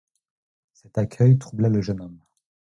Cet accueil troubla le jeune homme.